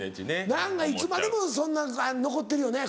何かいつまでもそんなん残ってるよね言葉。